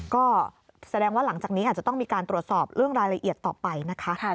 ก็แสดงว่าหลังจากนี้อาจจะต้องมีการตรวจสอบเรื่องรายละเอียดต่อไปนะคะ